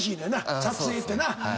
撮影ってな。